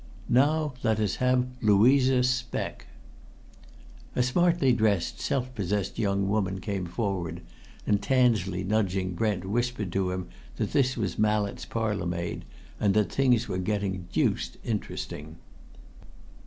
Now let us have Louisa Speck." A smartly dressed, self possessed young woman came forward, and Tansley, nudging Brent, whispered that this was Mallett's parlour maid and that things were getting deuced interesting.